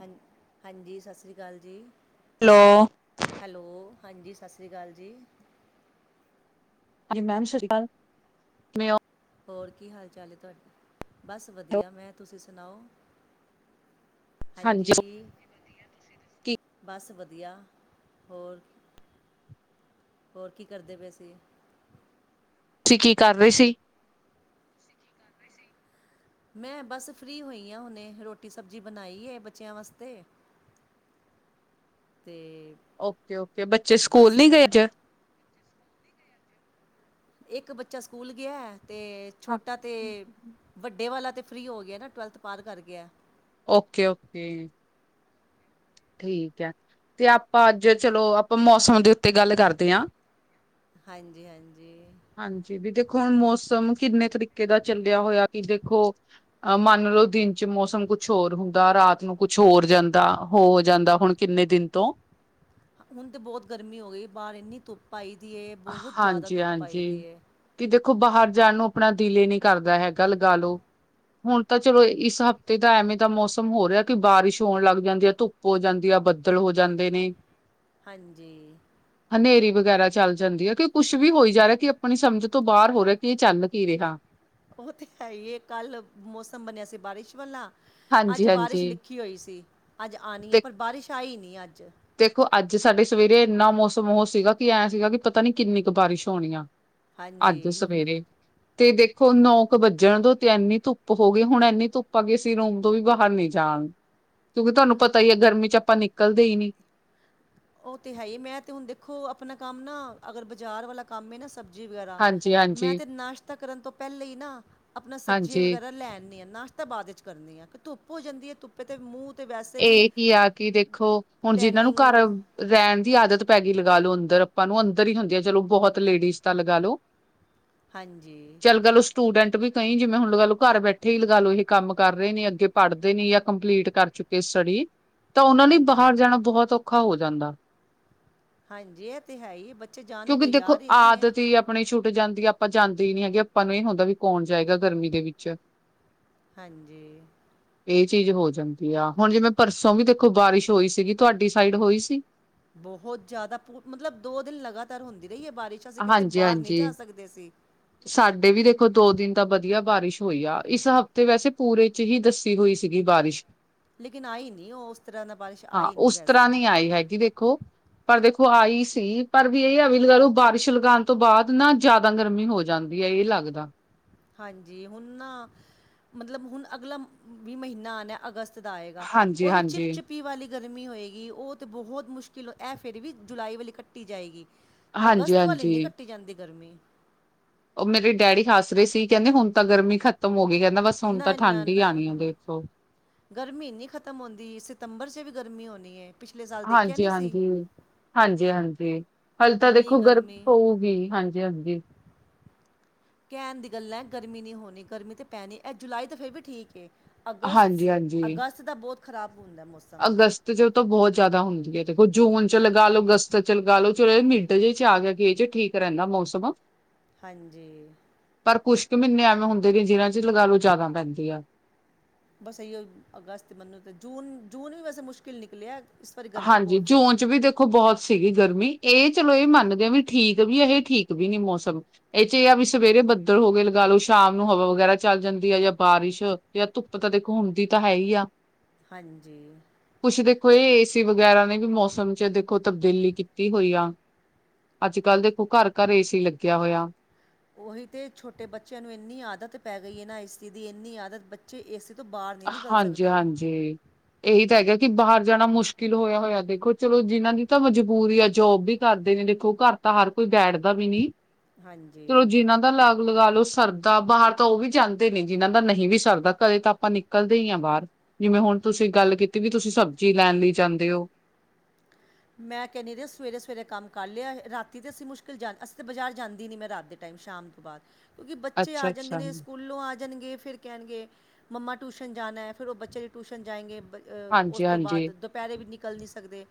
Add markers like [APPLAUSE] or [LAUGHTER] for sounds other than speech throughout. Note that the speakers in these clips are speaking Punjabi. ਹਾਂਜੀ, ਹਾਂਜੀ ਸਤਿ ਸ਼੍ਰੀ ਅਕਾਲ ਜੀ। ਹੈਲੋ। ਹੈਲੋ, ਹਾਂਜੀ ਸਤਿ ਸ਼੍ਰੀ ਅਕਾਲ ਜੀ। ਹਾਂਜੀ ਮੈਮ ਸਤਿ ਸ਼ੀ ਅਕਾਲ, ਕੀ ਹਾਲ। ਹੋਰ ਕੀ ਹਾਲ ਚਾਲ ਹੈ ਤੁਹਾਡਾ, ਬਸ ਹੋ? ਵਧੀਆ, ਮੈਂ ਤੁਸੀਂ ਸੁਣਾਓ। ਹਾਂਜੀ ਹਾਂਜੀਂ, ਕੀ ਬਸ ਵਧੀਆ, ਹੋਰ। ਹੋਰ ਕੀ ਕਰਦੇ ਪਏ ਸੀਂ? ਤੁਸੀਂ ਕੀ ਕਰ ਰਹੇ ਸੀ? ਬਿਜੀ। ਮੈਂ ਬਸ ਫ੍ਰੀ ਹੋਈ ਹਾਂ ਹੁਣੇ, ਰੋਟੀ ਸਬਜ਼ੀ ਬਣਾਈ ਹੈ ਬੱਚਿਆਂ ਵਾਸਤੇ ਤੇ ਓਕੇ- ਓਕੇ, ਬੱਚੇ ਸਕੂਲ ਨੀ ਗਏ ਅੱਜ ਇੱਕ ਬੱਚਾ ਸਕੂਲ ਗਿਆ, ਤੇ ਛੋਟਾ ਤੇ, ਵੱਡੇ ਵਾਲਾ ਤੇ ਫਰੀ ਹੋ ਗਿਆ ਨਾ, ਟਵੈਲਥ ਪਾਰ ਕਰ ਗਿਆ। Okay -okay. ਠੀਕ ਹੈ, ਤੇ ਆਪਾਂ ਅੱਜ ਚਲੋ ਆਪਾਂ ਮੌਸਮ ਦੇ ਉੱਤੇ ਗੱਲ ਕਰਦੇ ਹਾਂ। ਹਾਂਜੀ- ਹਾਂਜੀ। ਹਾਂਜੀ, ਵੀ ਦੇਖੋ ਹੁਣ ਮੌਸਮ ਕਿੰਨੇ ਤਰੀਕੇ ਦਾ ਚੱਲਿਆ ਹੋਇਆ ਕਿ ਦੇਖੋ ਅ ਮੰਨ ਲਓ ਦਿਨ 'ਚ ਮੌਸਮ ਕੁਛ ਹੋਰ ਹੁੰਦਾ, ਰਾਤ ਨੂੰ ਕੁਛ ਹੋਰ ਜਾਂਦਾ। ਹੋ ਜਾਂਦਾ ਹੁਣ ਕਿੰਨੇ ਦਿਨ ਤੋਂ ਹੁਣ ਤਾਂ ਬਹੁਤ ਗਰਮੀ ਹੋ ਗਈ, ਬਾਹਰ ਇੰਨੀ ਧੁੱਪ ਆਈ ਦੀ ਹੈ ਬਹੁਤ ਜ਼ਿਆਦਾ ਹਾਂਜੀ ਧੁੱਪ ਆਈ ਹਾਂਜੀ ਦੀ ਹੈ। ਕਿ ਦੇਖੋ ਬਾਹਰ ਜਾਣ ਨੂੰ ਆਪਣਾ ਦਿਲ ਹੀ ਨਹੀਂ ਕਰਦਾ, ਹੈਗਾ ਲੱਗਾ ਲਓ। ਹੁਣ ਤਾਂ ਚਲੋ ਇਸ ਹਫ਼ਤੇ ਦਾ ਐਵੇਂ ਤਾਂ ਮੌਸਮ ਹੋ ਰਿਹਾ ਕਿ, ਬਾਰਿਸ਼ ਹੋਣ ਲੱਗ ਜਾਂਦੀ ਹੈ। ਧੁੱਪ ਹੋ ਜਾਂਦੀ ਆ, ਬੱਦਲ ਹੋ ਜਾਂਦੇ ਨੇ। ਹਾਂਜੀ। ਹਨੇਰੀ ਵਗੈਰਾ ਚੱਲ ਜਾਂਦੀ ਹੈ, ਕਿ ਕੁੱਛ ਵੀ ਹੋਈ ਜਾ ਰਿਹਾ ਕਿ ਆਪਣੀ ਸਮਝ ਤੋਂ ਬਾਹਰ ਹੋ ਰਿਹਾ ਕਿ ਇਹ ਚੱਲ ਕੀ ਰਿਹਾ ਉਹ ਤੇ ਹੈ ਹੀ ਕੱਲ ਮੌਸਮ ਬਣਿਆ ਸੀ ਬਾਰਿਸ਼ ਵਾਲਾ, ਹਾਂਜੀ ਅੱਜ ਬਾਰਿਸ਼ ਹਾਂਜੀ ਲਿਖੀ ਔਖੀ ਹੋਈ ਸੀ, ਅੱਜ ਆਉਣੀ ਹੈ, ਤੇ ਪਰ ਬਾਰਿਸ਼ ਆਈ ਨਹੀਂ ਅੱਜ। ਦੇਖੋ ਅੱਜ ਸਾਡੇ ਸਵੇਰੇ ਇੰਨਾ ਮੌਸਮ ਉਹ ਸੀਗਾ ਕਿ ਐਂ ਸੀਗਾ ਕਿ ਪਤਾ ਨੀ ਕਿੰਨੀ ਕੁ ਬਾਰਿਸ਼ ਹੋਣੀ ਆ। ਅੱਜ ਹਾਂਜੀ। ਸਵੇਰੇ ਤੇ ਦੇਖੋ ਨੌਕ ਵੱਜਣ ਤੋਂ ਤੇ ਐੰਨੀ ਧੁੱਪ ਹੋ ਗਈ, ਹੁਣ ਐੰਨੀ ਧੁੱਪ ਆ ਗਈ ਅਸੀਂ ਰੋਮ ਤੋਂ ਵੀ ਬਾਹਰ ਨਹੀਂ ਜ ਕਿਉਂਕਿ ਤੁਹਾਨੂੰ ਪਤਾ ਹੀ ਹੈ ਗਰਮੀ 'ਚ ਆਪਾਂ ਨਿਕਲਦੇ ਹੀ ਨੀ। ਉਹ ਤੇ ਹੈ ਹੀ, ਮੈਂ ਤੇ ਹੁਣ ਦੇਖੋ ਆਪਣਾ ਕੰਮ ਨਾ ਅਗਰ ਬਾਜ਼ਾਰ ਵਾਲਾ ਕੰਮ ਨਾ ਸਬਜ਼ੀ ਵਗੈਰਾ ਹਾਂਜੀ ਮੈਂ ਹਾਂਜੀ ਤੇ ਨਾਸ਼ਤਾ ਕਰਨ ਤੋਂ ਪਹਿਲਾਂ ਹੀ ਨਾ, ਆਪਣਾ ਸਬਜ਼ੀਆਂ ਹਾਂਜੀ ਵਗੈਰਾ ਲੈਣਦੀ ਹਾਂ ਨਾਸ਼ਤਾ। ਤਾਂ ਬਾਅਦ ਵਿੱਚ ਕਰਨੀ ਹ, ਕਿ ਧੁੱਪ ਹੋ ਜਾਂਦੀ ਹੈ ਧੁੱਪੇ ਤੇ ਮੂੰਹ ਤੇ ਵੈਸੇ ਵੀ ਇਹੀ ਆ ਕਿ ਦੇਖੋ, ਹੁਣ ਜਿਹਨਾਂ ਨੂੰ ਟੈਨਿੰਗ ਘਰ ਰਹਿਣ ਦੀ ਆਦਤ ਪੈ ਗਈ ਲਗਾਏ ਲਓ ਅੰਦਰ ਲੋਕਾਂ ਨੂੰ ਅੰਦਰ ਹੀ ਹੁੰਦੀ ਆ, ਚੱਲੋ ਬਹੁਤ ਲੇਡੀਜ਼ ਤਾਂ ਲੱਗਾ ਲੋ ਹਾਂਜੀ। ਚੱਲ ਲਓ ਸਟੂਡੈਂਟ ਵੀ ਕਈ ਜਿਵੇਂ ਹੁਣ ਲੱਗਾ ਲਓ ਘਰ ਬੈਠੇ ਹੀ ਲੱਗਾ ਲਓ ਇਹ ਕੰਮ ਕਰ ਰਹੇ ਨੇ ਅੱਗੇ। ਪੜ੍ਹਦੇ ਨ, ਜਾਂ ਕੰਪਲੀਟ ਕਰ ਚੁੱਕੇ ਕੇ ਸੜੀ, ਤਾਂ ਉਹਨਾਂ ਲਈ ਹਾਂਜੀ ਬਾਹਰ ਜਾਣਾ ਬਹੁਤ ਔਖਾ ਹੋ ਜਾਂਦਾ। ਹਾਂਜੀ ਇਹ ਤੇ ਹੈ ਹੀ, ਬੱਚੇ ਜਾਣ ਨੂੰ ਤਿਆਰ ਹੀ ਨਹੀਂ ਹੈ। ਆਪਣੇ ਛੁੱਟ ਜਾਂਦੀ ਆਪਾਂ ਜਾਂਦੇ ਹੀ ਨੀ ਹੈਗੇ ਆਪਾਂ ਨੂੰ ਇਹ ਹੁੰਦਾ ਵੀ ਕੌਣ ਜਾਏਗਾ ਗਰਮੀ ਦੇ ਵਿੱਚ ਹਾਂਜੀ। ਇਹ ਚੀਜ਼ ਹੋ ਜਾਂਦੀ ਆ, ਹੁਣ ਜਿਵੇਂ ਪਰਸੋਂ ਵੀ ਦੇਖੋ ਬਾਰਿਸ਼ ਹੋਈ ਸੀਗੀ ਤੁਹਾਡੀ ਸਾਈਡ ਹੋਈ ਸੀ। ਬਹੁਤ ਜ਼ਿਆਦਾ, ਮਤਲਬ ਦੋ ਦਿਨ ਲਗਾਤਾਰ ਹੁੰਦੀ ਰਹੀ ਹੈ। ਬਾਰਿਸ਼ ਅਸੀਂ ਕਿਤੇ ਹਾਂਜੀ ਬਾਹਰ ਨਹੀਂ ਹਾਂਜੀ ਜਾ ਸਕਦੇ ਸੀ। ਸਾਡੇ ਵੀ ਦੇਖੋ ਦੋ ਦਿਨ ਤਾ ਵਧੀਆ ਬਾਰਿਸ਼ ਹੋਈ ਆ ਇਸ ਹਫ਼ਤੇ ਵੈਸੇ ਪੂਰੇ ਹੀ ਦੱਸੀ ਹੋਈ ਸੀਗੀ ਬਾਰਿਸ਼ ਲੇਕਿਨ ਆਈ ਨਓ ਉਸ ਤਰ੍ਹਾਂ ਦਾ ਬਾਰਿਸ਼ ਆਈ ਹਾਂ ਹੀ ਨਈ ਉਸ ਤਰ੍ਹਾਂ ਵੈਸੇ ਨਹੀਂ ਆਈ ਹੈਗੀ ਵੇ ਦੇਖੋ ਪਰ ਦੇਖੋ ਆਈ ਸੀ ਪਰ ਵੀ ਇਹ ਅਵਿਲ ਗੂ ਬਾਰਿਸ਼ ਚ ਲਗਾਉਣ ਤੋਂ ਬਾਦ ਨਾ ਜਾਦਾ ਗਰਮੀ ਹੋ ਜਾਂਦੀ ਹੈ ਇਹ ਲੱਗਦਾ। ਹਾਂਜੀ ਹੁਣ ਨਾ ਮਤਲਬ ਹੁਣ ਅਗਲਾ ਵੀ ਮ੍ਹੀਨਾ ਆਣਾ ਅਗਸਤ ਦਾ ਏਗਾ ਹਾਂਜੀ ਓ ਵੀ ਹਾਂਜੀ ਚਿਪ-ਚਿਪ ਪੀ ਵਾਲੀ ਗਰਮੀ ਹੋਏਗੀ ਓ ਤੇ ਬੋਤ ਮੁਸ਼ਕਿਲ ਐ ਫਿਰ ਵੀ ਜੁਲਾਈ ਵਾਲੀ ਕੱਟੀ ਜਾਏਗੀ। ਹਾਂਜੀ ਅਗਸਤ ਵਲੀ ਨੀ ਹਾਂਜੀ ਕੱਟੀ ਜਾਂਦੀ ਗਰਮੀ ਓ ਮੇਰੇ ਡੈਡੀ ਹੱਸ ਰਏ ਸੀ ਕੈਂਦੇ ਹੁਣ ਤਾਂ ਗਰਮੀ ਖਤਮ ਹੋ ਗੀ ਕੈੰਦਾ ਬਸ ਹੁਣ ਤਾਂ ਨਾ ਨਾ ਠੰਢ ਹੀ ਨਾ ਆਣੀ ਐ ਹਾਂ। ਦੇਖੋ। ਗਰਮੀ ਨੀ ਖ਼ਤਮ ਹੁੰਦੀ ਸਤੰਬਰ 'ਚ ਵੀ ਗਰਮੀ ਹੋਣੀ ਏ ਪਿਛਲੇ ਸਾਲ ਦੇਖਿਆ ਨੀ ਸੀ। ਹਾਂਜੀ-ਹਾਂਜੀ ਹੱਲੇ ਤਾਂ ਇੰਨੀ ਦੇਖੋ ਗਰਮ ਗਰਮੀ ਪਊਗੀ ਹਾਂਜੀ-ਹਾਂਜੀ। ਕੈਂਣ ਦੀ ਗੱਲਾਂ ਗਰਮੀ ਨੀ ਹੋਣੀ ਗਰਮੀ ਤੇ ਪੈਣੀ ਐ ਜੁਲਾਈ ਤੇ ਫਿਰ ਵੀ ਠੀਕ ਏ। ਹਾਂਜੀ ਹਾਂਜੀ ਅਗਸਤ-ਅਗਸਤ ਦਾ ਬੋਤ ਖਰਾਬ ਹੁੰਦੈ ਮੌਸ ਅਗਸਤ ਤ ਜਬ ਤੋ ਬੋਤ ਜਾਦਾ ਹੁੰਦੀ ਏ ਦੇਖੋ ਜੂਨ 'ਚ ਲਗਾ ਲੋ ਅਗਸਤ 'ਚ ਲਗਾ ਲੋ ਚਲੋ ਇਹ ਮਿੰਟ ਜ ਐਦੇ 'ਚ ਆ ਗਿਆ ਕਿ ਏ 'ਚ ਠੀਕ ਰੈੰਦਾ ਮੌਸਮ ਹਾਂਜੀ। ਪਰ ਕੁੱਛ ਕ ਮ੍ਹੀਨੇ ਐਵੇਂ ਹੁੰਦੇ ਨੇ ਜਿਨਾਂ 'ਚ ਲਗਾ ਲੋ ਜਾਦਾ ਪੈਂਦੀ ਆ। ਬਸ ਅਈਉ ਅਗਸਤ ਮੰਨੋ ਤੇ ਜੂਨ-ਜੂਨ ਵੀ ਵੈਸੇ ਮੁਸ਼ਕਿਲ ਨਿਕਲਿਐ। ਹਾਂਜੀ ਜੂਨ 'ਚ ਵੀ ਦੇਖ ਖੋ ਬੋਤ ਸੀਗੀ ਗਰਮੀ ਏ ਚਲੋ ਏ ਮੰਨਦੇ ਆ ਵੀ ਠੀਕ ਵੀ ਏਹ ਠੀਕ ਵੀ ਨੀ ਮੌਸਮ‌ ਏਹ 'ਚ ਆ ਵੀ ਸਵੇਰੇ ਬੱਦਲ ਹੋ ਗੇ ਲਗਾ ਲੋ ਸ਼ਾਮ ਨੂੰ ਹਵਾ ਵਗੈਰਾ ਚੱਲ ਜਾਂਦੀ ਆ ਯਾ ਬਾਰਿਸ਼ ਯਾ ਧੁੱਪ ਤਾਂ ਦੇਖੋ ਹੁੰਦੀ ਤਾਂ ਹੈ ਹੀ ਆ। ਹਾਂਜੀ। ਕੁਛ ਦੇਖੋ ਏ ਏਸੀ ਵਗੈਰਾ ਨੇ ਵੀ ਮੌਸਮ 'ਚ ਦੇਖੋ ਤਬਦੀਲੀ ਕੀਤੀ ਹੋਈ ਆ। ਅੱਜ-ਕੱਲ੍ਹ ਦੇਖੋ ਘਰ-ਘਰ ਏ ਸੀ ਲੱਗਿਆ ਹੋਇਆ। ਓਹੀ ਤੇ ਛੋਟੇ ਬੱਚਿਆਂ ਨੂੰ ਇੰਨੀ ਆਦਤ ਪੈ ਗਈ ਏ ਨਾ ਏ ਸੀ ਦੀ ਏਨੀ ਆਦਤ ਬੱਚੇ ਏ ਸੀ ਤੋਂ ਬਾਰ ਨੀ ਨਿਕਲ ਸਕਦੇ। ਜੀ। ਏਹੀ ਤਾਂ ਹੈਗਾ ਕਿ ਬਾਹਰ ਜਾਣਾ ਮੁਸ਼ਕਿਲ ਹੋਇਆ ਹੋਯਾ ਦੇਖੋ ਚਲੋ ਜਿਨਾਂ ਦੀ ਤਾਂ ਮਜਬੂਰੀ ਆ ਜੋਬ ਬੀ ਕਰਦੇ ਨੇ ਦੇਖੋ ਘਰ ਤਾਂ ਹਰ ਕੋਈ ਬੈਠਦਾ ਵੀ ਨੀ ਚਲੋ ਹਾਂਜੀ ਜਿਨ੍ਹਾਂ ਦਾ ਲਾਗ ਲਗਾ ਲੋ ਸਰਦਾ ਬਾਰ ਤਾਂ ਓ ਵੀ ਜਾਂਦੇ ਨੀ ਜਿਹਨਾਂ ਦਾ ਨਹੀਂ ਵੀ ਸਰਦਾ ਕਦੇ ਤਾਂ ਆਪਾਂ ਨਿਕ ਕੱਲਦੇ ਹੀ ਆ ਬਾਰ ਜਿਵੇਂ ਹੁਣ ਤੁਸੀਂ ਗੱਲ ਕੀਤੀ ਵੀ ਤੁਸੀਂ ਸਬਜ਼ੀ ਲੈਣ ਲਈ ਜਾਂਦੇ ਓ। ਮੈਂ ਕੈੰਦੀ ਰਿਐ ਸਵੇਰੇ-ਸਵੇਰੇ ਕੰਮ ਕਰ ਲਿਆ ਰਾਤੀ ਤੇ ਅਸੀਂ ਮੁਸ਼ਕਿਲ ਜਾਂ ਅਸੀਂ ਤੇ ਬਜ਼ਾਰ ਜਾਂਦੀ ਨੀ ਮੈਂ ਰਾਤ ਦੇ ਟਾਈਮ ਸ਼ਾਮ ਤੋ ਬਾਦ ਕਿਉਂਕਿ ਬੱਚੇ ਆ ਜਾਂਦੇ ਅੱਛਾ-ਅੱਛਾ। ਨੇ ਸਕੂਲੋਂ ਆ ਜਾਣਗੇ ਫਿਰ ਕੈਣਗੇ ਮੰਮਾ ਟੂਸ਼ਨ ਜਾਣੈ, ਫਿਰ ਓਹ ਬੱਚੇ ਵੀ ਟੂਸ਼ਨ ਜਾਏਂਗੇ ਬ ਅ ਓਸ ਤੋਂ ਹਾਂਜੀ-ਹਾਂਜੀ, ਬਾਦ ਦ ਪੈਲੇ ਵੀ ਨਿਕਲ ਨੀ ਸਕਦੇ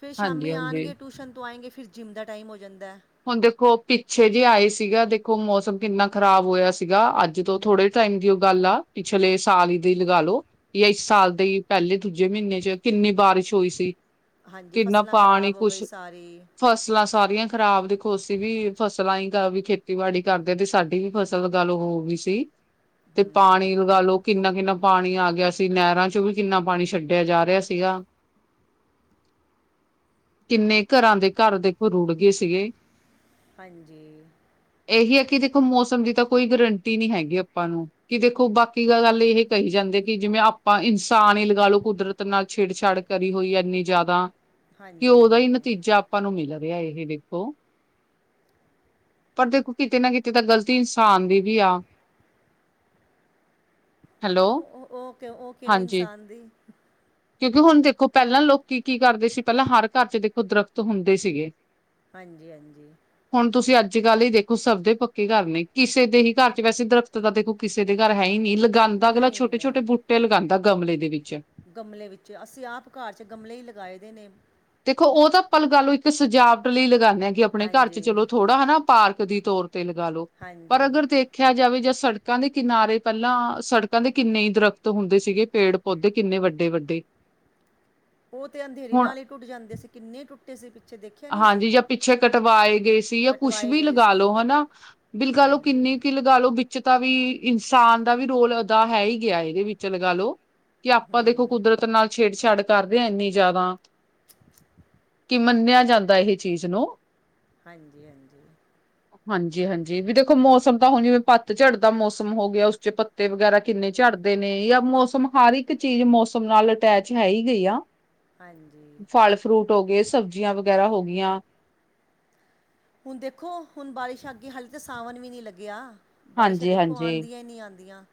ਫਿਰ ਸ਼ਾਮੀ ਹਾਂਜੀ-ਹਾਂਜੀ। ਆਣਗੇ ਟੂਸ਼ਨ ਤੋਂ ਆਏਂਗੇ ਫਿਰ ਜਿੰਮ ਦਾ ਟਾਈਮ ਹੋ ਜਾਂਦੈ। ਹੁਣ ਦੇਖੋ ਪਿੱਛੇ ਜੇ ਆਏ ਸੀਗਾ ਦੇਖੋ ਮੌਸਮ ਕਿੰਨਾ ਖ਼ਰਾਬ ਹੋਇਆ ਸੀਗਾ ਅੱਜ ਤੋਂ ਥੋੜੇ ਟੈਮ ਦੀ ਓ ਗੱਲ ਆ ਪਿਛਲੇ ਸਾਲ ਦੀ ਲਗਾ ਲੋ। ਯਾ ਇਸ ਸਾਲ ਦੇ ਪੈਲੇ ਦੂਜੇ ਮ੍ਹੀਨੇ 'ਚ ਕਿੰਨੀ ਬਾਰਿਸ਼ ਹੋਈ ਸੀ। ਹਾਂਜੀ ਕਿੰਨਾ ਫਸਲਾਂ ਪਾਣੀ ਖ਼ਰਾਬ ਹੋ ਗਈ ਕੁਛ ਸਾਰੀ। ਫਸਲਾਂ ਸਾਰੀਆਂ ਖ਼ਰਾਬ ਦੇਖੋ ਅਸੀਂ ਵੀ ਫਸਲਾਂ ਹੀ ਗਾ ਵੀ ਖੇਤੀਬਾੜੀ ਕਰਦੇ, ਤੇ ਸਾਡੀ ਵੀ ਫਸਲ ਗੱਲ ਹੋ ਵੀ ਸੀ। ਤੇ ਪਾਣੀ ਲਗਾ ਲੋ ਕਿੰਨਾ-ਕਿੰਨਾ ਪਾਣੀ ਆ ਗਿਆ ਸੀ ਨੈਹਰਾਂ ਚੋ ਵੀ ਕਿੰਨਾ ਪਾਣੀ ਛੱਡਿਆ ਜਾ ਰਿਹਾ ਸੀਗਾ। [INAUDIBLE] ਕਿੰਨੇ ਘਰਾਂ ਦੇ ਘਰ ਦੇਖੋ ਰੁੜ ਗਏ ਸੀਗੇ। ਹਾਂਜੀ। ਏਹੀ ਹੈ ਕਿ ਦੇਖੋ ਮੌਸਮ ਦੀ ਤਾਂ ਕੋਈ ਗਰੰਟੀ ਨੀ ਹੈਗੀ ਅਪਾਂ ਨੂੰ। ਕਿ ਦੇਖੋ ਬਾਕੀ ਗੱਲ ਏਹ ਕਹੀ ਜਾਂਦੇ ਕਿ ਜਿਵੇਂ ਆਪਾਂ ਇਨਸਾਨ ਈ ਲਗਾ ਲੋ ਕੁਦਰਤ ਨਾਲ ਛੇੜ ਛਾੜ ਕਰੀ ਹੋਈ ਐ ਐਨੀ ਜਯਾਦਾ ਕਿ ਹਾਂਜੀ ਔਦਾ ਹੀ ਹਾਂਜੀ ਨਤੀਜਾ ਆਪਾਂ ਨੂੰ ਮਿਲ ਰਿਆ ਏਹ ਦੇ ਖੋ, ਪਰ ਦੇਖੋ ਕਿਤੇ ਨਾ ਕਿਤੇ ਤਾਂ ਗ਼ਲਤੀ ਇਨਸਾਨ ਦੀ ਵੀ ਆ। ਹੈਲੋ ਕਿਉਂ, ਓਹ ਓ ਕ ਓ ਕਿਵੇਂ ਹਾਂਜੀ ਇਨਸਾਨ ਦੀ? ਕਿਉਂਕਿ ਹੁਣ ਦੇਖੋ ਪਹਿਲਾਂ ਲੋਕੀ ਕੀ ਕਰਦੇ ਸੀ ਪਹਿਲਾਂ ਹਰ ਘਰ ਚ ਦੇਖੋ ਦਰਖ਼ਤ ਹੁੰਦੇ ਸੀਗੇ ਹਾਂਜੀ ਹਾਂਜੀ ਹੁਣ ਤੁਸੀਂ ਅੱਜ ਕੱਲ੍ਹ ਹੀ ਦੇਖੋ ਸਭਦੇ ਪੱਕੇ ਘਰ ਨੇ ਕਿਸੇ ਦੇ ਹੀ ਘਰ ਚ ਵੈਸੇ ਦਰਖਤ ਦਾ ਦੇਖੋ ਕਿਸੇ ਦੇ ਘਰ ਹੈ ਹੀ ਨਹੀਂ ਲੱ ਹੁਣ ਤਾ ਅਗਲਾ ਨਹੀਂ ਛੋਟੇ ਛੋਟੇ ਨਹੀਂ ਬੂਟੇ ਲਗਾਉਂਦਾ ਗਮਲੇ ਦੇ ਵਿੱਚ ਗਮਲੇ ਵਿੱਚ ਅਸੀਂ ਆਪ ਘਾਰ ਚ ਗਮਲੇ ਹੀ ਲਗਾਏ ਦੇ ਨੇ ਦੇਖੋ ਉਹ ਤਾਂ ਆਪਾਂ ਗੱਲ ਇੱਕ ਸਜਾਵਟ ਲਈ ਲਗਾਉਂਦੇ ਹਾਂ ਕਿ ਆਪਣੇ ਘਰ ਚ ਹਾਂਜੀ ਚਲੋ ਥੋੜ੍ਹਾ ਹੈਨਾ ਪਾਰਕ ਦੀ ਤੌਰ ਤੇ ਲਗਾ ਲੋ ਪਰ ਹਾਂਜੀ ਅਗਰ ਦੇਖ ਦੇਖਿਆ ਜਾਵੇ ਜਾਂ ਸੜਕਾਂ ਦੇ ਕਿਨਾਰੇ ਪਹਿਲਾਂ ਸੜਕਾਂ ਦੇ ਕਿੰਨੇ ਦਰਖਤ ਹੁੰਦੇ ਸੀਗੇ ਪੇੜ ਓਦੇ ਕਿੰਨੇ ਵੱਡੇ ਵੱਡੇ ਉਹ ਤੇ ਅੰਧੇਰੀ ਨਾਲ ਹੀ ਟੁੱਟ ਜਾਂਦੇ ਸੀ ਕਿੰਨੇ ਟੁੱਟੇ ਸੀ ਪਿੱਛੇ ਦੇਖੇ ਹਾਂਜੀ ਜਾਂ ਪਿੱਛੇ ਕਟਵਾਏ ਗਏ ਸੀ ਜਾਂ ਕੁਛ ਕਟਵਾਏ ਵੀ ਗਏ ਲਗਾ ਸੀ ਲਓ ਹਨਾ ਬਿਲਕੱਲ ਉਹ ਹਾਂਜੀ ਕਿੰਨੀ ਕੁ ਲਗਾ ਲੋ ਵਿੱਚ ਤਾਂ ਵੀ ਇਨਸਾਨ ਦਾ ਵੀ ਰੋਲ ਅਦਾ ਹੈ ਹੀ ਗਿਆ ਇਹਦੇ ਵਿੱਚ ਲਗਾ ਲਓ ਕਿ ਆਪਾਂ ਦੇਖੋ ਹੂੰ ਕੁਦਰਤ ਨਾਲ ਛੇੜਛਾੜ ਕਰਦੇ ਹਾਂ ਇੰਨੀ ਜ਼ਿਆਦਾ [UNINTELLIGIBLE] ਕਿ ਮੰਨਿਆ ਜਾਂਦਾ ਇਹ ਚੀਜ਼ ਨੂੰ ਹਾਂਜੀ ਹਾਂਜੀ ਹਾਂਜੀ ਹਾਂਜੀ ਵੀ ਦੇਖੋ ਮੌਸਮ ਤਾਂ ਹੁਣ ਜਿਵੇਂ ਪੱਤਝੜ ਦਾ ਮੌਸਮ ਹੋ ਗਿਆ ਉਸ ਚ ਪੱਤੇ ਵਗੈਰਾ ਕਿੰਨੇ ਝੜਦੇ ਨੇ ਜਾਂ ਮੌਸਮ ਹਰ ਇੱਕ ਚੀਜ਼ ਮੌਸਮ ਨਾਲ ਅਟੈਚ ਹੈ ਹੀ ਗਈ ਆ ਹਾਂਜੀ ਫਲ ਫਰੂਟ ਹੋ ਗਏ ਸਬਜ਼ੀਆਂ ਵਗੈਰਾ ਹੋ ਗਇਆਂ ਹੁਣ ਦੇਖੋ ਹੁਣ ਬਾਰਿਸ਼ ਅੱਗੇ ਹਾਲੇ ਤਾਂ ਸਾਵਣ ਵੀ ਨਹੀਂ ਲੱਗਿਆ ਬਾਰਿਸ਼ਾਂ ਹਾਂਜੀ ਦੇਖੋ ਹਾਂਜੀ ਆਉਦੀਆਂ ਹੀ ਨਹੀਂ ਆਂਦਿਆਂ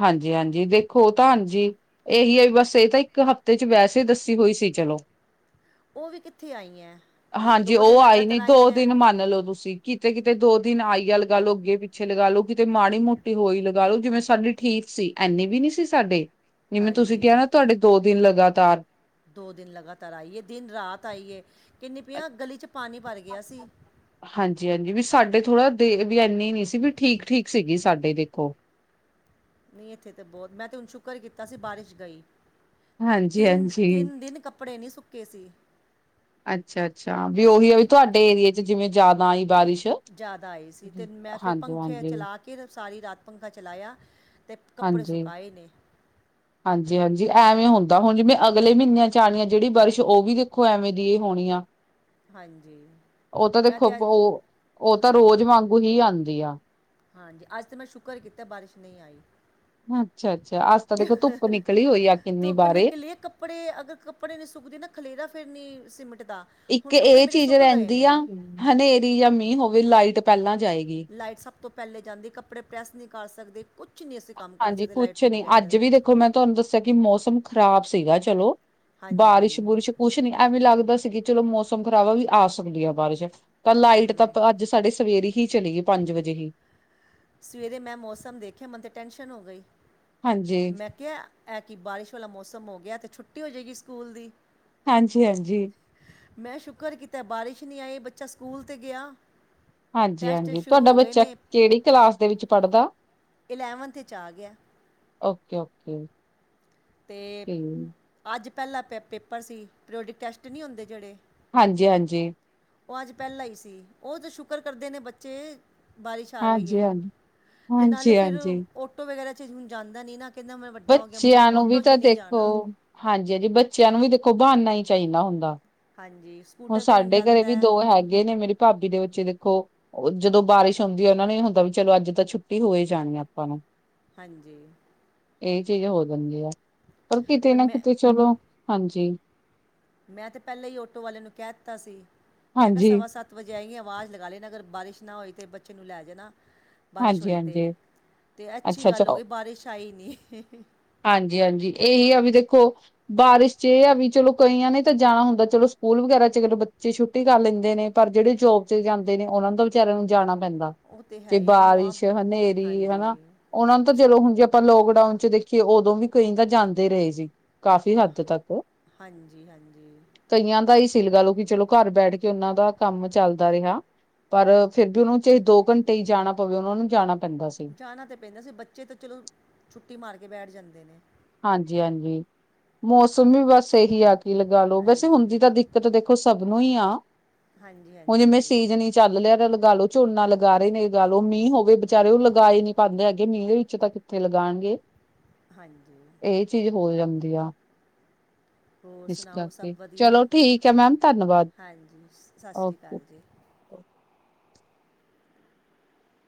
ਹਾਂਜੀ ਹਾਂਜੀ ਦੇਖੋ ਤਾਂ ਹਾਂਜੀ ਇਹੀ ਹੈ ਵੀ ਬਸ ਇਹ ਤਾਂ ਇੱਕ ਹਫ਼ਤੇ ਚ ਵੈਸੇ ਦੱਸੀ ਹੋਈ ਸੀ ਚਲੋ ਉਹ ਵੀ ਕਿੱਥੇ ਆਈਆਂ ਲ- ਹਾਂਜੀ ਦੋ ਦਿਨ ਉਹ ਆਈ ਨੀ ਲਗਾਤਾਰ ਦੋ ਆਈਆਂ ਦਿਨ ਮੰਨ ਲਓ ਤੁਸੀਂ ਕਿਤੇ ਕਿਤੇ ਦੋ ਦਿਨ ਆਈ ਆ ਲਗਾ ਲੋ ਅੱਗੇ ਪਿੱਛੇ ਲਗਾ ਲੋ ਕਿਤੇ ਮਾੜੀ ਮੋਟੀ ਹੋਈ ਲਗਾ ਲੋ ਜਿਵੇਂ ਸਾਡੀ ਠੀਕ ਸੀ ਐੰਨੇ ਵੀ ਨਹੀਂ ਸੀ ਸਾਡੇ ਜਿਵੇਂ ਤੁਸੀਂ ਕਿਹਾ ਹਾਂਜੀ ਨਾ ਤੁਹਾਡੇ ਦੋ ਦਿਨ ਲਗਾਤਾਰ ਦੋ ਦਿਨ ਲਗਾਤਾਰ ਆਈਏ ਦਿਨ ਰਾਤ ਆਈਏ ਕਹਿੰਦੀ ਪਈ ਆਂ ਗਲੀ 'ਚ ਪਾਣੀ ਭਰ ਗਿਆ ਸੀ ਹਾਂਜੀ ਹਾਂਜੀ ਵੀ ਸਾਡੇ ਥੋੜ੍ਹਾ ਦੇ ਵੀ ਇਨੀ ਨੀ ਸੀ ਵੀ ਠੀਕ ਠੀਕ ਸੀਗੀ ਸਾਡੇ ਦੇਖੋ ਨਹੀਂ ਇੱਥੇ ਤਾਂ ਬਹੁਤ ਮੈਂ ਤੇ ਹੁਣ ਸ਼ੁਕਰ ਕੀਤਾ ਸੀ ਬਾਰਿਸ਼ ਗਈ ਹਾਂਜੀ ਤਿੰਨ ਹਾਂਜੀ ਤਿੰਨ ਦਿਨ ਕੱਪੜੇ ਨਹੀਂ ਸੁੱਕੇ ਸੀ ਅੱਛਾ ਅੱਛਾ ਵੀ ਉਹੀ ਆ ਵੀ ਇਹ ਤੁਹਾਡੇ ਏਰੀਏ ਚ ਜਿਵੇਂ ਜਿਆਦਾ ਆਈ ਬਾਰਿਸ਼ ਜ਼ਿਆਦਾ ਆਈ ਸੀ ਅਤੇ ਮੈਂ ਫਿਰ ਹਾਂਜੀ ਹਾਂਜੀ ਪੰਖੇ ਹਾਂਜੀ ਚਲਾ ਕੇ ਸਾਰੀ ਰਾਤ ਪੰਖਾ ਚਲਾਇਆ ਤੇ ਕੱਪੜੇ ਸੁਕਾਏ ਨੇ। ਹਾਂਜੀ-ਹਾਂਜੀ ਐਵੇ ਹੋਂਦਾ ਹੋਨ ਜਿਵੇ ਅਗਲੇ ਮੀਨਿਆਂ ਚ ਆਨੀ ਐ ਜੜੀ ਬਰਸ਼ ਓ ਵੀ ਦੇਖੋ ਐਵੇ ਦੀ ਈ ਹੋਣੀ ਆ। ਹਾਂਜੀ ਓ ਤਾ ਮੈਂ ਦੇਖੋ ਤੇ ਅੱਜ ਓ, ਓ ਤਾ ਰੋਜ ਹਾਂਜੀ ਵਾਂਗੂ ਹੀ ਆਂਦੀ ਆ। ਹਾਂਜੀ, ਆੱਜ ਤਾ ਮੈਂ ਸ਼ੁਕਰ ਕੀਤੈ ਬਾਰਿਸ਼ ਨਈ ਆਈ। ਅੱਛਾ-ਅੱਛਾ ਆੱਜ ਤਾ ਦੇਖੋ ਤੁੱਪ ਨਿਕਲੀ ਓਈ ਆ ਕਿੰਨੀ ਬਾਰੇ। ਕਪੜੇ ਅਗਰ ਕਪੜੇ ਨੀ ਸੁੱਕਦੇ ਨਾ ਖਲੇਰਾ ਫੇਰ ਨੀ ਸਮੀਟ ਦਾ। ਇੱਕ ਏ ਚੀਜ਼ ਰੈਂਦੀ ਆ, ਹਨੇਰੀ ਯਾ ਮੀਂ ਹੋਵੇ ਲਾਈਟ ਪੈਲਾਂ ਜਾਏਗੀ। ਲਾਈਟ ਸਬ ਤੋ ਪੈਲੇ ਜਾਂਦੀ ਕੱਪੜੇ ਪ੍ਰੈਸ ਨੀ ਕਾਰ ਸਕਦੇ ਕੁਛ ਨੀ ਅਸੀ ਕਾੱਮ ਕਾਰ ਸਕਦੇ ਲਾਈਟ ਤੋ ਬਗੈਰ। ਕੋਈ ਮੈਂ ਤੁਆਨੂੰ ਦੱਸੇਆ ਕਿ ਮੌਸਮ ਖ਼ਰਾਬ ਸੀਗਾ ਚਲੋ, ਹਾਂਜੀ ਬਾਰਿਸ਼-ਬੁਰਿਸ਼ ਕੁਛ ਨੀ ਐਵੇ ਲਾਗਦਾ ਸੀ ਕਿ ਚਲੋ ਮੌਸਮ ਖ਼ਰਾਬ ਵੀ ਆ ਸਕਦੀ ਆ ਬਾਰਿਸ਼। ਤਾ ਲਾਈਟ ਤ ਤਾ ਆੱਜ ਸਾਡੇ ਸਵੇਰੇ ਹੀ ਚਲੀ ਗੀ ਪਾਂਜ ਵਜੇ ਹੀ। ਸਵੇਰੇ ਮੈਂ ਮੌਸਮ ਦੇਖਯਾ ਮੈਨ ਤਾਂ ਟੈਂਸ਼ਨ ਓ ਗਈ, ਹਾਂਜੀ ਮੈਂ ਕਯਾ ਐ ਕਿ ਬਾਰਿਸ਼ ਵਾਲਾ ਮੌਸਮ ਓ ਗੇਐ ਐ ਤੇ ਛੁੱਟੀ ਓ ਜੇਗੀ ਸਕੂਲ ਦੀ। ਹਾਂਜੀ-ਹਾਂਜੀ। ਮੈਂ ਸ਼ੁੱਕਰ ਕੀਤੈ ਬਾਰਿਸ਼ ਨੀ ਆਈ ਬੱਚਾ ਸਕੂਲ ਤੇ ਗਯਾ। ਹਾਂਜੀ-ਹਾਂਜੀ ਤੁਆਡਾ ਬੱਚਾ ਕੇੜੀ ਕਲਾਸ ਦੇ ਵਿੱਚ ਪੜਦਾ। ਇਲੈਵੰਥ ਏਚ ਆ ਗੇਐ, ਓਕੇ ਓਕੇ ਤੇ ਠੀਕ ਆੱਜ ਪੈਲਾ ਪ ਪੇਪਰ ਸੀ, ਪ੍ਰੇਓਡਿਕ ਟੈਸਟ ਨੀ ਓਂਦੇ ਜੜੇ। ਹਾਂਜੀ-ਹਾਂਜੀ। ਓ ਆੱਜ ਪੈਲਾਂ ਈ ਸੀ ਓ ਤਾ ਸ਼ੁਕਰ ਕਰਦੇ ਨੇ ਬੱਚੇ, ਬਾਰਿਸ਼ ਆ ਗਈ ਹਾਂਜੀ ਏ। ਹਾਂਜੀ ਤੇ ਨਾਲੇ ਹਾਂਜੀ ਫੇਰ ਹਾਂਜੀ ਓਟੋ ਵਗੈਰਾ ਚ ਹੁਨ ਜਾਂਦਾ ਨੀ ਨਾ, ਕੈਂਦਾ ਮੈਂ ਵੱਡਾ ਓ ਗੇਆ ਮੰਮੀ ਓਟੋ ਚ ਨੀ ਜਾਨਾ। ਹਾਂਜੀ-ਹਾਂਜੀ ਬੱਚੇਆਂ ਨੂੰ ਵੀ ਦੇਖੋ ਬਾਨਾ ਈ ਚਾਹੀਦਾ ਹੁੰਦਾ। ਹਾਂਜੀ। ਹੁਨ ਸਕੂਟਰ 'ਤੇ ਹੁਣ ਸਾਡੇ ਘੱਰੇ ਜਾਂਦਾ ਵੀ ਦੋ ਹੈ ਹੈਗੇ ਨੇ ਮੇਰੀ ਪਾਬੀ ਦੇ ਬੱਚੇ ਦੇਖੋ ਓ ਜਦੋ ਬਾਰਿਸ਼ ਓਂਦੀ ਓਨਾ ਨੂੰ ਐ ਹੋਂਦਾ ਵੀ ਚਲੋ ਆੱਜ ਤਾਂ ਛੁੱਟੀ ਹੋ ਜਾਨੀ ਆਪਾ ਨੂੰ। ਹਾਂਜੀ। ਏ ਚੀਜ਼ ਹੋ ਜਾਂਦੀ ਆ, ਪਰ ਕਿਤੇ ਨਾ ਕਿਤੇ ਚਲੋ, ਹਾਂਜੀ। ਮੈਂ ਤੇ ਪੈਲਾਂ ਹੀ ਓਟੋ ਵਾਲੇ ਨੂੰ ਕੈ ਤਾ ਸੀ, ਮੈਂ ਕਯਾ ਹਾਂਜੀ ਸਵਾ ਸੱਤ ਵਜੇ ਆਏ ਗੇ ਆਵਾਜ਼ ਲਗਾ ਲੇਨਾ ਅਗਰ ਬਾਰਿਸ਼ ਨਾ ਓਈ ਤੇ ਬੱਚੇ ਨੂੰ ਲੈ ਜੇਨਾ। ਬਾਰਿਸ਼ ਹਾਂਜੀ ਓਈ ਤੇ, ਹਾਂਜੀ ਤੇ ਐ ਅੱਛੀ ਅੱਛਾ ਗਾੱਲ ਓ ਗੀ ਬਾਰਿਸ਼ ਆਈ ਨੀ। ਹਾਂਜੀ-ਹਾਂਜੀ, ਏਈ ਆ ਵੀ ਦੇਖੋ ਬਾਰਿਸ਼ ਚ ਏ ਆ ਵੀ ਚਲੋ ਕਈਆਂ ਨੇ ਤਾ ਜਾਨਾ ਹੁੰਦਾ, ਚਲੋ ਸਕੂਲ ਵਗੈਰਾ ਚ ਬੱਚੇ ਛੁੱ ਟੀ ਕਾਰ ਲੈਂਦੇ ਨੇ, ਪਰ ਜੜੇ ਜੋਬ ਚ ਜਾਂਦੇ ਨੇ ਓਨਾਂ ਨੂੰ ਤਾਂ ਵਿਚਾਰੇਆਂ ਨੂੰ ਜਾਣਾ ਪੈਂਦਾ। ਉਹ ਤਾਂ ਹੈ ਜੇ ਹੀ ਮੈਨੂੰ ਆਪ ਬਾਰਿਸ਼, ਹਨੇਰੀ ਹਾਂਜੀ ਹਨਾ। ਓਨਾ ਨੂੰ ਤਾ ਜਲੋ ਹੁਨ ਜੇ ਅਪਾਂ ਲੋਕਡਾਊਨ ਚ ਦੇਖੀਏ ਓਦੋਂ ਵੀ ਕਈ ਤਾਂ ਜਾਂਦੇ ਰਏ ਸੀ ਕਾਫੀ ਹੱਦ ਤੱਕ ਹਾਂਜੀ ਹਾਂਜੀ ਕਈਆਂ ਦਾ ਈ ਸੀ ਲਗਾ ਲਓ ਕਿ ਚਲੋ ਘਾੱਰ ਬੈਠ ਕੇ ਓਨਾਂ ਦਾ ਕਾੱਮ ਚੱਲ ਚੱਲਦਾ ਰਏ ਹਣਾ, ਪਰ ਫੇਰ ਬੀ ਉਨੂੰ ਚਾਹੇ ਦੋ ਘੰਟੇ ਈ ਜਾਣਾ ਪਵੇ‌ ਓਨਾਂ ਨੂੰ ਜਾਣਾ ਪੈਂਦਾ ਸੀ। ਜਾਣਾ ਤੇ ਪੈਂਦਾ ਸੀ ਬੱਚੇ ਤੇ ਚਲੋ, ਛੁੱਟੀ ਮਾਰ ਕੇ ਬੈਠ ਜਾਂਦੇ ਨੇ। ਹਾਂਜੀ ਹਾਂਜੀ, ਮੌਸਮ ਵੀ ਬਾੱਸ ਐਹੀ ਹਾ ਕੀ ਲਗਾਲੋ ਵੈਸੇ ਹਾਂਜੀ ਹੁੰਦੀ ਤਾਂ ਦਿੱਕਤ ਦੇਖ ਸਬ ਨੂੰ ਈ ਆ, ਹਾਂਜੀ ਹੁਨ ਜਿਵੇ ਹਾਂਜੀ ਸੀਜ਼ਨ ਇ ਚੱਲ ਲੇਆ ਲਗਾ ਲੋ ਚੁਨਾ ਲਗਾ ਰਏ ਨੇ ਲਗਾ ਲੋ ਮੀਂ ਹੋਵੇ ਬਚਾਰੇ ਓ ਲਗਾ ਈ ਨੀ ਪਾਂਦੇ ਐਗੇ ਮੀਂ ਦੇ ਵਿੱਚ ਤਕ- ਤੇ ਲਗਾਨਗੇ। ਹਾਂਜੀ। ਏ ਚੀਜ ਹੋ ਜਾਂਦੀ ਆ। [INAUDIBLE] ਹੋਰ ਇਸ ਸੁਣਾਓ ਸਭ ਕਰਕੇ ਵਧੀਆ? ਚਲੋ ਠੀਕ ਹੈ ਮੈਮ ਧੰਨਵਾਦ ਹਾਂਜੀ, ਸਤਿ ਸ੍ਰੀ ਓਕੇ ਅਕਾਲ ਜੀ।